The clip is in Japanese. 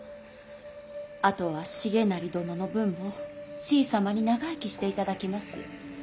あとは重成殿の分もしい様に長生きしていただきます。